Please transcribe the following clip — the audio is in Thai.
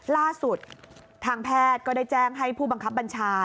ล่าสุดทางแพทย์ก็ได้แจ้งให้ผู้บังคับบัญชา